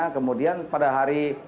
kemudian pada hari